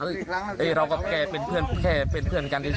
เรากับแกเป็นเพื่อนแค่เป็นเพื่อนกันดี